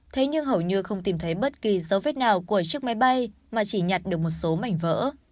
thế nhưng hầu như không tìm thấy bất kỳ dấu vết nào của chiếc máy bay mà chỉ nhặt được một số mảnh vỡ